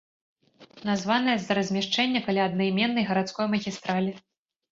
Названая з-за размяшчэння каля аднайменнай гарадской магістралі.